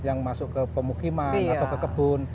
yang masuk ke pemukiman atau ke kebun